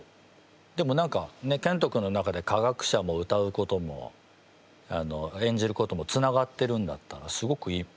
でも何かけんと君の中で科学者も歌うことも演じることもつながってるんだったらすごくいい。